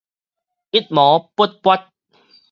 一毛不拔